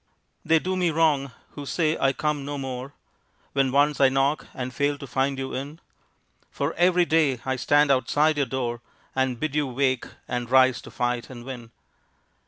They do me wrong who say I come no more When once I knock and fail to find you in; For every day I stand outside your door, And bid you wake, and rise to fight and win.